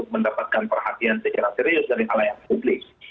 untuk mendapatkan perhatian secara serius dari ala yang publik